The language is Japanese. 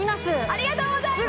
ありがとうございます！